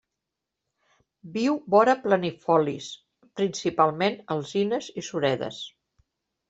Viu vora planifolis, principalment alzines i suredes.